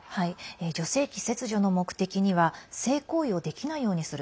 女性器切除の目的には性行為をできないようにする。